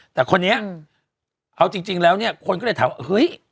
แต่คนนี้เอาจริงแล้วเนี่ยคนก็เลยถามว่าเฮ้ย